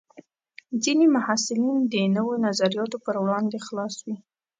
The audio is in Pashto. ځینې محصلین د نوو نظریاتو پر وړاندې خلاص وي.